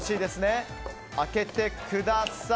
開けてください。